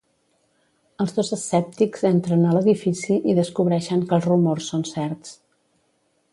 Els dos escèptics entren a l'edifici i descobreixen que els rumors són certs.